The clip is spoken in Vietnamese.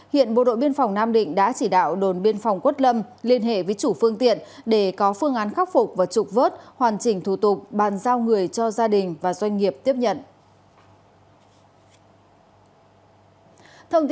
hiện bộ đội biên phòng nam định đã chỉ đạo đồn biên phòng quất lâm liên hệ với chủ phương tiện để có phương án khắc phục và trục vớt hoàn chỉnh thủ tục bàn giao người cho gia đình và doanh nghiệp tiếp nhận